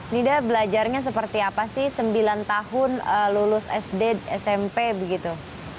nida belajarnya seperti apa sih sembilan tahun lulus sd smp begitu